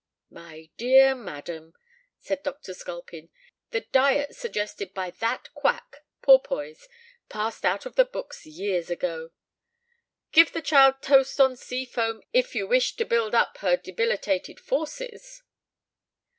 "My dear madam," said Dr. Sculpin, "the diet suggested by that quack, Porpoise, passed out of the books years ago. Give the child toast on sea foam, if you wish to build up her debilitated forces."